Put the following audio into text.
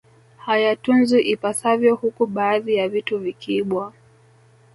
Hayatunzwi ipasavyo huku baadhi ya vitu vikiibwa